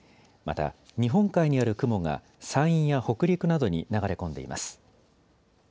また日本海にある雲が山陰や北陸などに流れ込んでいます。